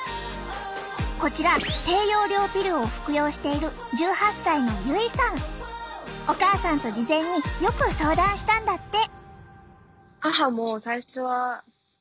こちら低用量ピルを服用しているお母さんと事前によく相談したんだって。